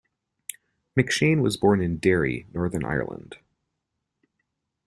McShane was born in Derry, Northern Ireland.